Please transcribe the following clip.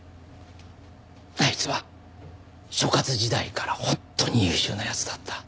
あいつは所轄時代から本当に優秀な奴だった。